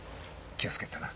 気をつけてな。